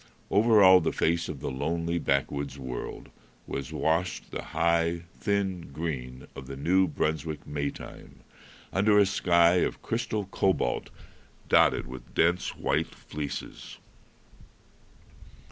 Over all the face of the lonely backwoods world was washed the high, thin green of the New Brunswick May time, under a sky of crystal cobalt dotted with dense white fleeces.